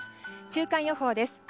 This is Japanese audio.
週間予報です。